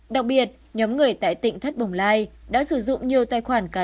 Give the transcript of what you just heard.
đặc biệt nhóm người tại tỉnh thất bồng lai đã sử dụng nhiều tài khoản cá nhân